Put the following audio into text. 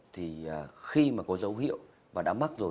thì khi mà có dấu hiệu mà đã mắc rồi